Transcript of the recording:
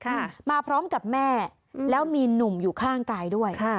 มาพร้อมกับแม่แล้วมีหนุ่มอยู่ข้างกายด้วยค่ะ